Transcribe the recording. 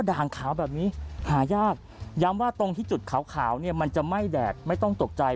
อาบคุยกับเขาอย่างไร